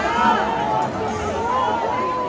สวัสดีครับ